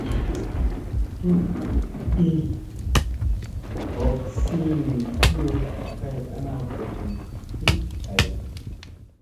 Tuɗ ii hook siiŋ kiyo kay ana vunuŋ his hay.